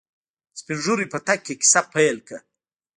سپينږيري په تګ کې کيسه پيل کړه.